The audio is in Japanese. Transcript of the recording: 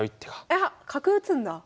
あっ角打つんだ。